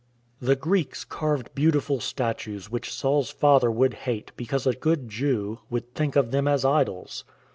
The Greeks carved beautiful statues which Saul's father would hate because a good Jew would think of them as idols.